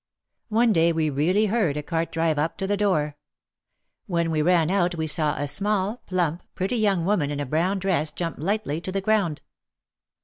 One day we really heard a cart drive up to the door. When we ran out we saw a small, plump, pretty young woman in a brown dress jump lightly to the ground.